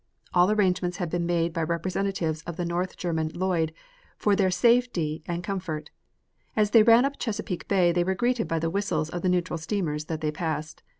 All arrangements had been made by representatives of the North German Lloyd for their safety and comfort. As they ran up Chesapeake Bay they were greeted by the whistles of the neutral steamers that they passed.